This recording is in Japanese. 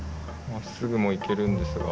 真っすぐも行けるんですが。